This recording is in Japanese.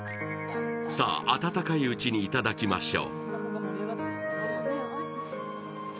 温かいうちにいただきましょう。